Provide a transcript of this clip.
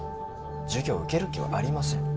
授業受ける気はありません